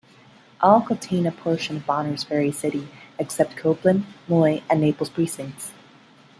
All contain a portion of Bonners Ferry City except Copeland, Moyie, and Naples precincts.